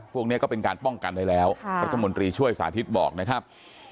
พวกนี้ก็เป็นการป้องกันได้แล้วรัฐมนตรีช่วยสาธิตบอกนะครับ